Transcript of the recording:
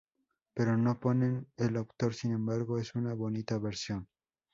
Pero no ponen el autor sin embargo es una bonita versión.